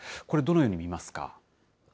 これ、どのように見ますか。